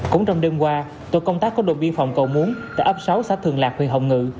cũng trong đêm qua tổ công tác của đội biên phòng cầu muốn tại ấp sáu xã thường lạc huyện hồng ngự